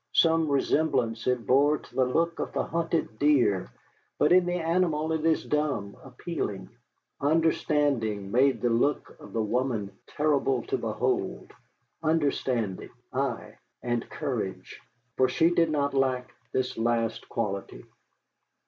Some resemblance it bore to the look of the hunted deer, but in the animal it is dumb, appealing. Understanding made the look of the woman terrible to behold, understanding, ay, and courage. For she did not lack this last quality.